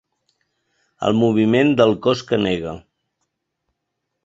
El moviment del cos que nega.